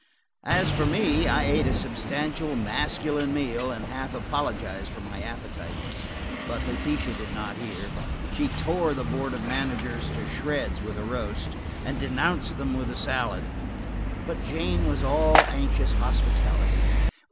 As for me, I ate a substantial masculine meal and half apologized for my appetite, but Letitia did not hear. She tore the board of managers to shreds with the roast, and denounced them with the salad. But Jane was all anxious hospitality.